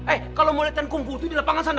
eh kalau mau liatkan kungfu itu di lapangan sana